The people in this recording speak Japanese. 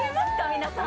皆さん。